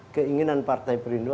keinginan partai perindo